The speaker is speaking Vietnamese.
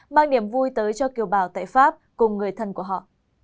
mang niềm vui tới cho kiều bào tại pháp cùng người thân của họ